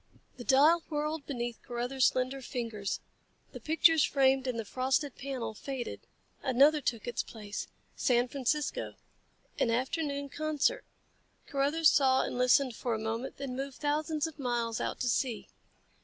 The dial whirled beneath Carruthers slender fingers. The pictures framed in the frosted panel faded. Another took its place. San Francisco an afternoon concert. Carruthers saw and listened for a moment, then moved thousands of miles out to sea.